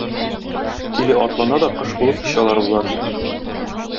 Тиле атлана да кош булып очалар болар.